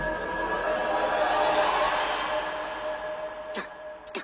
あっきた。